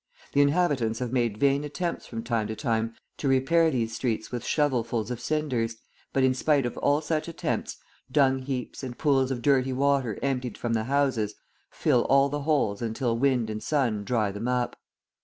The inhabitants have made vain attempts from time to time to repair these streets with shovelfuls of cinders, but in spite of all such attempts, dung heaps, and pools of dirty water emptied from the houses, fill all the holes until wind and sun dry them up.